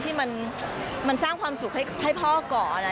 ที่มันสร้างความสุขให้พ่อก่อน